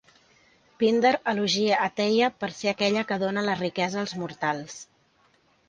Píndar elogia a Teia per ser aquella que dóna la riquesa als mortals.